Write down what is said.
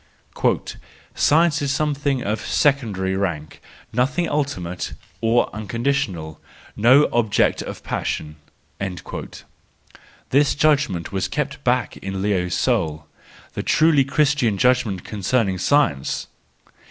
" Science is something of secondary rank, nothing ultimate or unconditioned, no object of passion "— this judgment was kept back in Leo's soul: the truly Christian judgment concerning science!